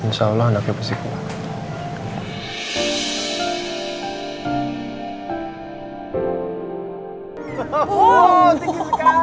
insya allah anaknya pasti kuat